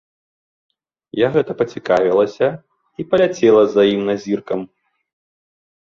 Я гэта пацікавілася і паляцела за ім назіркам.